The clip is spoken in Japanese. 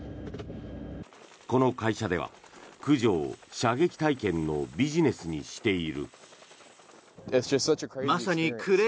この会社では、駆除を射撃体験のビジネスにしている。